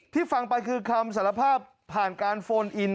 ฟังไปคือคำสารภาพผ่านการโฟนอิน